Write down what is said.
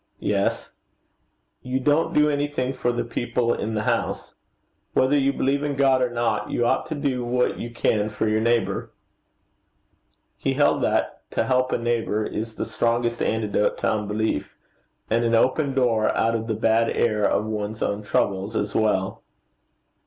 'Yes?' 'You don't do anything for the people in the house. Whether you believe in God or not, you ought to do what you can for your neighbour.' He held that to help a neighbour is the strongest antidote to unbelief, and an open door out of the bad air of one's own troubles, as well.